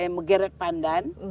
budaya megeret pandan